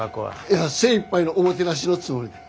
いや精いっぱいのおもてなしのつもりで。